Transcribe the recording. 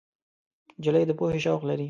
نجلۍ د پوهې شوق لري.